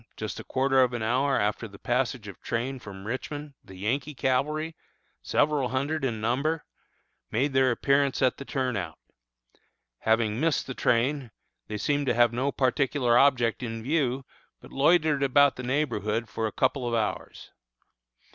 just a quarter of an hour after the passage of train from Richmond, the Yankee cavalry, several hundred in number, made their appearance at the Turnout. Having missed the train, they seemed to have no particular object in view, but loitered about the neighborhood for a couple of hours.